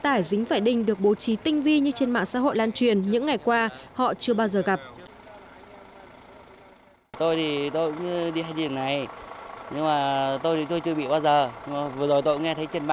những người lái xe dính phải đinh được bố trí tinh vi như trên mạng xã hội lan truyền những ngày qua họ chưa bao giờ gặp